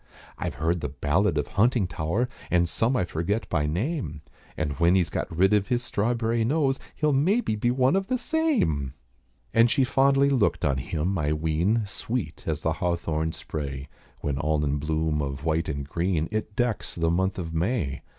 I've heard the ballad of Huntingtower, And some I forget by name, And when he's got rid of his strawberrie nose He'll maybe be one of the same!" And she fondly looked on him, I ween, Sweet as the hawthorn spray, When all in bloom of white and green, It decks the month of May.